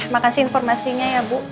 makasih informasinya ya bu